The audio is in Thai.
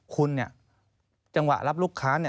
คุณเนี่ยจังหวะรับลูกค้าเนี่ย